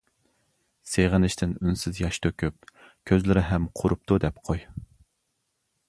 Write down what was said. سېغىنىشتىن ئۈنسىز ياش تۆكۈپ، كۆزلىرى ھەم قۇرۇپتۇ دەپ قوي.